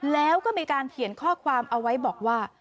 แล้วก็มีการเขียนข้อความเอาไว้บอกว่า